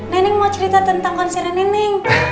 neneng mau cerita tentang konsern neneng